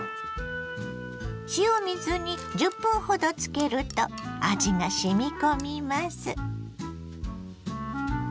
塩水に１０分ほどつけると味がしみ込みます。